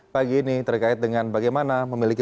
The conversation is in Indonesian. pagi ini terkait dengan bagaimana memiliki